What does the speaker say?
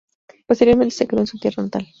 Posteriormente se quedó en su tierra natal.